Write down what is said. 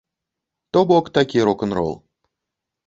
То бок такі рок-н-рол.